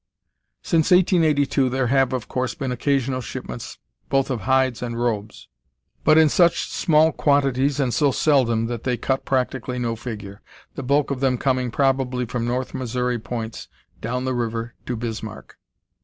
"Since 1882 there have, of course, been occasional shipments both of hides and robes, but in such small quantities and so seldom that they cut practically no figure, the bulk of them coming probably from north Missouri points down the river to Bismarck."